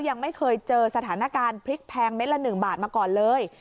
ยังไม่เคยเจอสถานการณ์พริกแพงเม็ดละ๑บาทมาก่อนเลย